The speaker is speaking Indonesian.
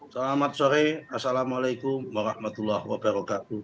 selamat sore assalamualaikum warahmatullahi wabarakatuh